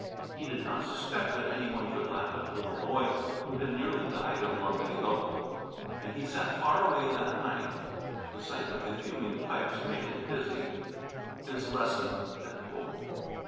He did not suspect that any one could laugh at a little boy who had nearly died of lumbago. And he sat far away that night. The sight of the fuming pipes made him dizzy. His lesson had told.